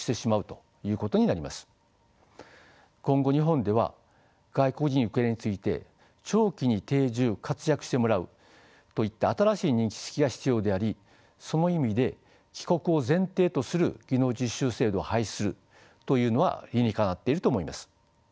今後日本では外国人受け入れについて長期に定住活躍してもらうといった新しい認識が必要でありその意味で帰国を前提とする技能実習制度を廃止するというのは理にかなっていると思います。